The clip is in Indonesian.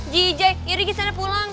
jijay iri kesana pulang